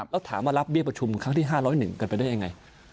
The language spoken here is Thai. แล้วถามว่ารับเบี้ยประชุมครั้งที่๕๐๑กันไปได้ยังไง